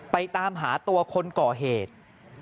ตามหาตัวคนก่อเหตุ